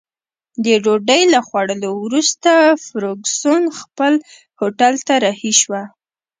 د ډوډۍ له خوړلو وروسته فرګوسن خپل هوټل ته رهي شوه.